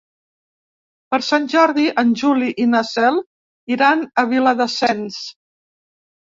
Per Sant Jordi en Juli i na Cel iran a Viladasens.